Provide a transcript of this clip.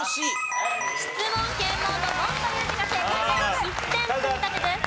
質問検問の「問」という字が正解で１点積み立てです。